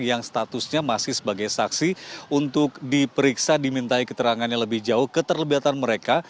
yang statusnya masih sebagai saksi untuk diperiksa dimintai keterangannya lebih jauh keterlebihan mereka